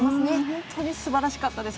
本当に素晴らしかったです。